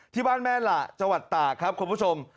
ที่บ้านแม่นระจวัดต่าครับคุณผู้ชม